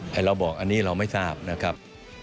ให้เราบอกอันนี้เราไม่ทราบ